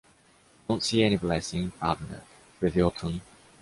Don't see any blessing, Parvaneh, with your tongue